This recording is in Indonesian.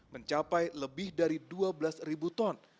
mencapai lebih dari dua belas ribu ton